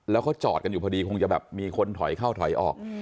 แล้วเขาจอดกันอยู่พอดีคงจะแบบมีคนถอยเข้าถอยออก